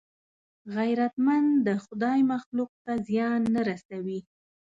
غیرتمند د خدای مخلوق ته زیان نه رسوي